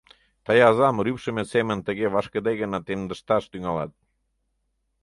Тый азам рӱпшымӧ семын тыге вашкыде гына темдышташ тӱҥалат.